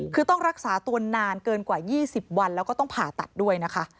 คือต้องรักษาตัวนานเกินกว่า๒๐วันแล้วก็ต้องผ่าตัดด้วยนะคะ